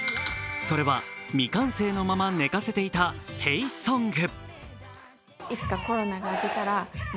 それは、未完成のまま寝かせていた「ＨｅｙＳｏｎｇ」。